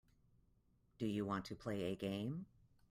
Do you want to play a game.